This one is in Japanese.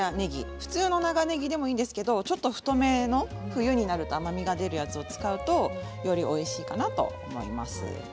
普通の長ねぎでもいいんですがちょっと太めの冬になると甘みが出るものを使うとおいしいかなと思います。